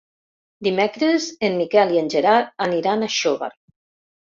Dimecres en Miquel i en Gerard aniran a Xóvar.